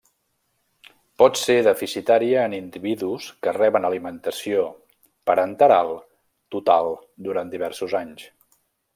Pot ser deficitària en individus que reben alimentació parenteral total durant diversos anys.